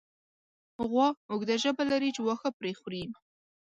غوا اوږده ژبه لري چې واښه پرې خوري.